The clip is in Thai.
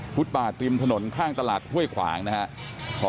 ป่าริมถนนข้างตลาดห้วยขวางนะครับ